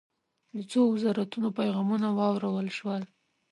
د څو وزارتونو پیغامونه واورل شول.